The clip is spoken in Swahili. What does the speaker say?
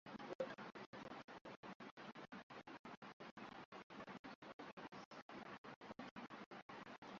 Edgar alipata shahada ya uzamili katika Shirikisho sanduku idadi moja Ilikuwa miezi miwili kabla